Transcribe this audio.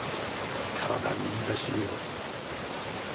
体にいいらしいよ。